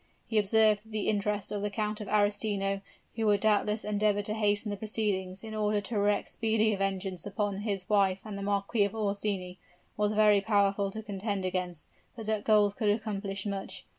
He observed that the interest of the Count of Arestino, who would doubtless endeavor to hasten the proceedings in order to wreak speedy vengeance upon his wife and the Marquis of Orsini, was very powerful to contend against; but that gold could accomplish much.